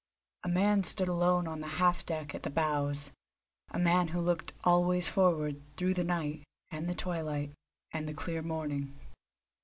A man stood alone on the half deck at the bows, a man who looked always forward, through the night, and the twilight, and the clear morning.